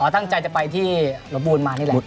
อ๋อทั้งใจจะไปที่กระบูลมานี่แหละ